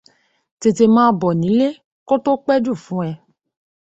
Tètè máa bọ̀ nílé kó tó pẹ́ jù fún ẹ